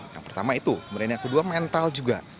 yang pertama itu kemudian yang kedua mental juga